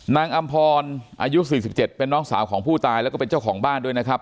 อำพรอายุ๔๗เป็นน้องสาวของผู้ตายแล้วก็เป็นเจ้าของบ้านด้วยนะครับ